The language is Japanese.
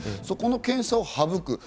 そこの検査を省く。